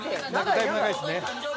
だいぶ長いっすね。